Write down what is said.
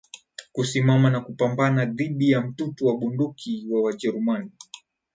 kusimama na kupambana dhidi ya mtutu wa bunduki wa Wajerumani